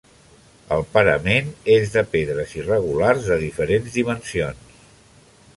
El parament és de pedres irregulars de diferents dimensions.